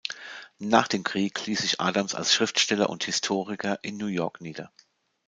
Nach dem Krieg ließ sich Adams als Schriftsteller und Historiker in New York nieder.